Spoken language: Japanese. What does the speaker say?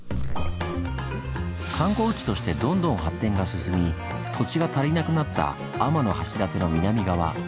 観光地としてどんどん発展が進み土地が足りなくなった天橋立の南側。